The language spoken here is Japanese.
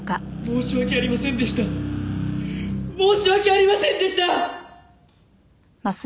申し訳ありませんでしたっ！